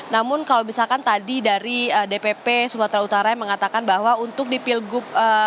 namun kalau misalkan tadi dari dpp sumatera utara yang mengatakan bahwa untuk di pilgub